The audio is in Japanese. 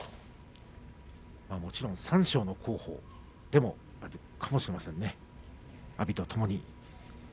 もちろん三賞の候補でもあるかもしれませんね阿炎とともに。